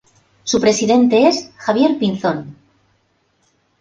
Su presidente es Javier Pinzón.